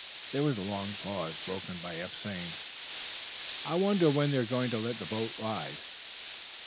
There was a long pause, broken by Eph, saying: "I wonder when they're going to let the boat rise?"